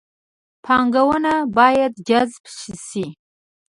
پانګونه باید جذب شي